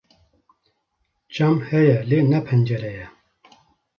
cam heye lê ne pencere ye